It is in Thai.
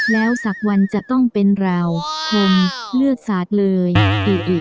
แล้วศักดิ์วันจะต้องเป็นเราผมเลือกศาสตร์เลยอิอิ